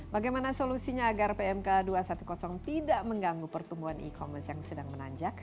bagaimana solusinya agar pmk dua ratus sepuluh tidak mengganggu pertumbuhan e commerce yang sedang menanjak